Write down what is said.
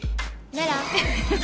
メラ！